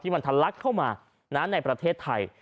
ที่มันทัลลักษณ์เข้ามานั้นในประเทศไทย